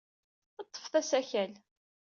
Ḍḍfet asakal.